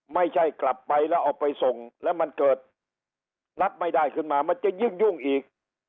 ไม่ใช่กลับไปแล้วเอาไปส่งแล้วมันเกิดรับไม่ได้ขึ้นมามันจะยิ่งยุ่งอีก